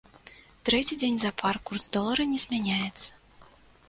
Трэці дзень запар курс долара не змяняецца.